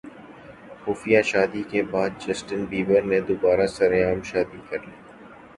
خفیہ شادی کے بعد جسٹن بیبر نے دوبارہ سرعام شادی کرلی